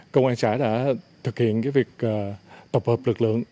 công an xã đã thực hiện việc tập hợp lực lượng